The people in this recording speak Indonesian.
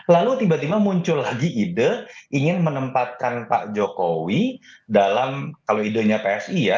lalu tiba tiba muncul lagi ide ingin menempatkan pak jokowi dalam kalau idenya psi ya